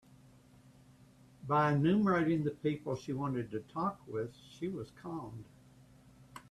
By enumerating the people she wanted to talk with, she was calmed.